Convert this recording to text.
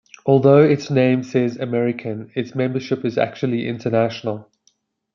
Although its name says American, its membership is actually international.